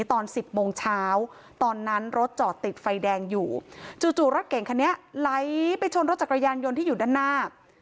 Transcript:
ตอน๑๐โมงเช้าตอนนั้นรถจอดติดไฟแดงอยู่จู่รถเก่งคันนี้ไหลไปชนรถจักรยานยนต์ที่อยู่ด้านหน้า